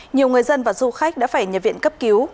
nhiều người dân và du khách đã phải nhập viện cấp cứu